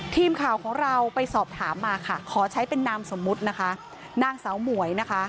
ทีมข่าวของเราไปสอบถามมาค่ะขอใช้เป็นนามสมมุตินะคะนางสาวหมวยนะคะ